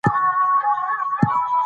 فېنانو ته بازي ډېره خوند ورکوي.